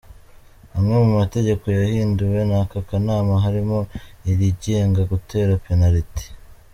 Amwe mu mategeko yahinduwe n’ako kanama harimo irigenga gutera penaliti.